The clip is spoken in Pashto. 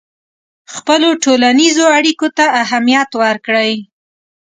خپلو ټولنیزو اړیکو ته اهمیت ورکړئ.